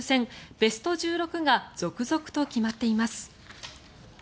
ベスト１６が続々と決まっています。